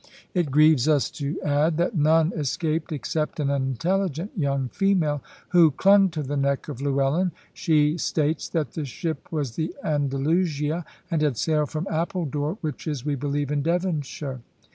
It grieves us to add that none escaped except an intelligent young female, who clung to the neck of Llewellyn. She states that the ship was the Andalusia, and had sailed from Appledore, which is, we believe, in Devonshire.